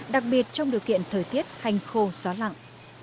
đặc biệt trong điều kiện thời tiết hành khô gió lặng